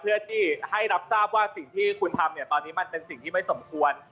เพื่อที่ให้รับทราบว่าสิ่งที่คุณทำเนี่ยตอนนี้มันเป็นสิ่งที่ไม่สมควร